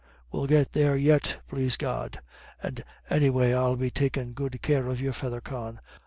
We'll get there yet, plase God. And anyway I'll be takin' good care of your feather, Con.